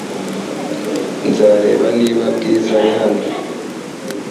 Nzareba niba Bwiza ari hano .